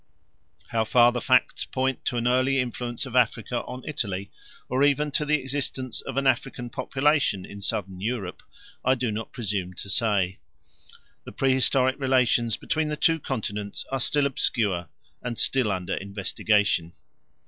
How far the facts point to an early influence of Africa on Italy, or even to the existence of an African population in Southern Europe, I do not presume to say. The pre historic historic relations between the two continents are still obscure and still under investigation.